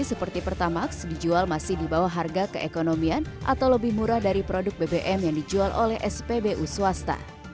seperti pertamax dijual masih di bawah harga keekonomian atau lebih murah dari produk bbm yang dijual oleh spbu swasta